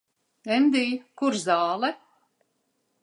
Endij, kur zāle?